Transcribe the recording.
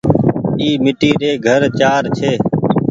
اي ميٽي ري گهر چآر ڇي۔